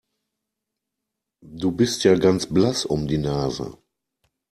Du bist ja ganz blass um die Nase.